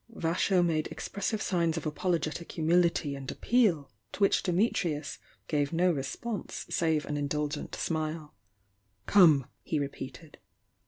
Vasho made expressive signs of apologetic humil ity and appeal, to which Dimitrius gave no response save an indulgent smile. "Come!" he repeated.